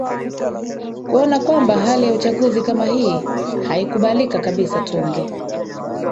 kuona kwamba hali ya uchaguzi kama hii haikubalika kabisa tunge